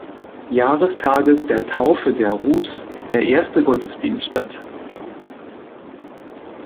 Jahrestages der Taufe der Rus" der erste Gottesdienst statt.